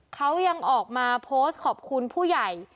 เขายังออกมาโพสต์ขอบคุณผู้ใหญ่